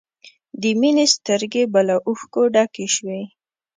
د مینې سترګې به له اوښکو ډکې شوې